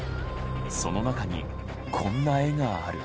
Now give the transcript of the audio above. その中にこんな絵がある。